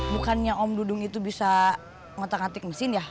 bukannya om dudung itu bisa ngotak ngatik mesin ya